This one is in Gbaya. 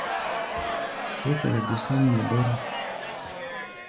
Yɛ́kɛlɛ gusáʼm nɛ dɔ́rá.